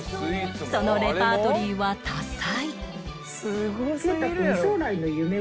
そのレパートリーは多彩